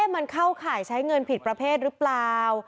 มันเข้าข่ายใช้เงินผิดประเภทหรือเปล่า